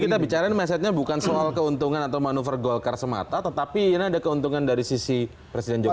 jadi kita bicarain masetnya bukan soal keuntungan atau manuver golkar semata tetapi ini ada keuntungan dari sisi presiden jokowi